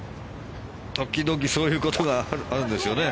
時々そういうことがあるんですよね。